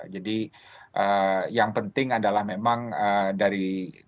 jadi yang penting adalah memang dari